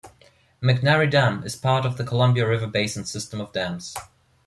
McNary Dam is part of the Columbia River Basin system of dams.